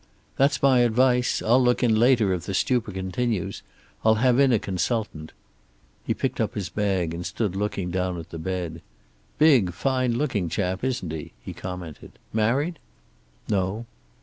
"That's my advice. I'll look in later, and if the stupor continues I'll have in a consultant." He picked up his bag and stood looking down at the bed. "Big fine looking chap, isn't he?" he commented. "Married?" "No."